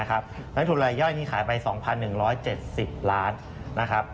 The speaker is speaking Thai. และทุนลายย่อยนี้ขายไป๒๑๗๐ล้าน